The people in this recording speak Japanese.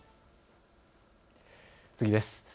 次です。